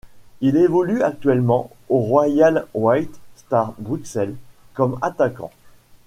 Il évolue actuellement au Royal White Star Bruxelles comme attaquant.